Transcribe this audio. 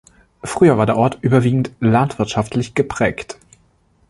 Früher war der Ort überwiegend landwirtschaftlich geprägt.